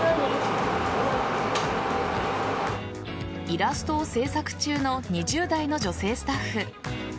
イラストを制作中の２０代の女性スタッフ。